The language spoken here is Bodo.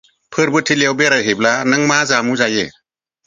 फोरबो थिलियाव बेरायहैब्ला नों मा जामु जायो?